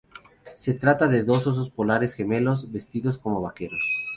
Se trata de dos osos polares gemelos, vestidos como vaqueros.